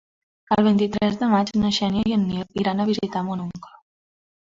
El vint-i-tres de maig na Xènia i en Nil iran a visitar mon oncle.